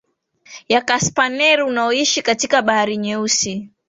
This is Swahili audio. ya Kasp Dnepr unaoishia katika Bahari Nyeusi